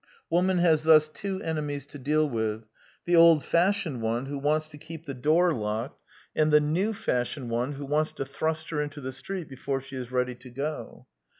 Woman has thus two enemies to deal with: the old fashioned one who wants to keep the door locked, and the new fashioned one who wants to thrust her into the street before she is ready to go.